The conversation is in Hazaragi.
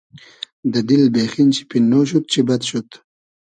دۂ دیل بېخین شی پیننۉ شود چی بئد شود